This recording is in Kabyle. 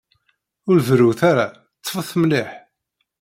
Ur berrut ara! Ṭṭfet mliḥ!